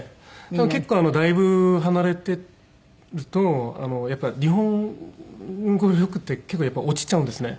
多分結構だいぶ離れてるとやっぱり日本語力って結構やっぱ落ちちゃうんですね。